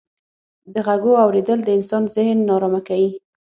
د ږغو اورېدل د انسان ذهن ناآرامه کيي.